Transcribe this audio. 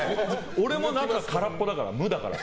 俺も空っぽだから、無だから。